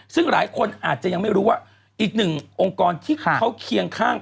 ซึ่งหลายคนอาจจะยังไม่รู้ว่าอีกหนึ่งองค์กรที่เขาเคียงข้าง